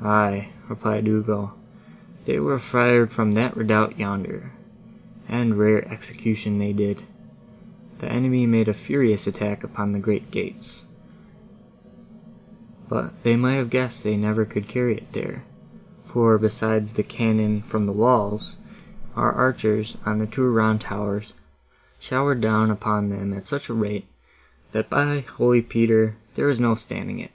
"Aye," replied Ugo, "they were fired from that redoubt, yonder, and rare execution they did. The enemy made a furious attack upon the great gates; but they might have guessed they could never carry it there; for, besides the cannon from the walls, our archers, on the two round towers, showered down upon them at such a rate, that, by holy Peter! there was no standing it.